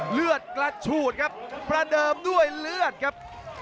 เลือดกระฉูดครับประเดิมด้วยเลือดครับ